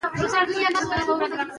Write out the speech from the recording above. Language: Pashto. چې اېپوسه نه یې ارخوشي نه کي.